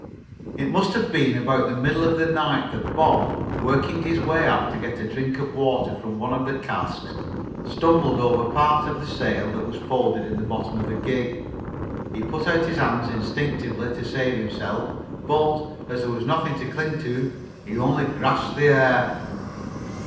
It must have been about the middle of the night that Bob, working his way aft to get a drink of water from one of the casks, stumbled over part of the sail that was folded in the bottom of the gig. He put out his hands, instinctively, to save himself, but, as there was nothing to cling to, he only grasped the air.